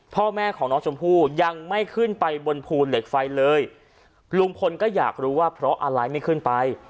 พ่อแม่ของน้องชมพู่ยังไม่ขึ้นไปบนภูเหล็กไฟเลยลุงพลก็อยากรู้ว่าเพราะอะไรไม่ขึ้นไป